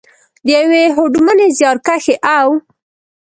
، د یوې هوډمنې، زیارکښې او .